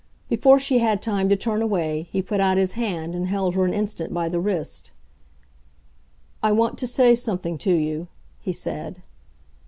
Before she had time to turn away he put out his hand and held her an instant by the wrist. "I want to say something to you," he said.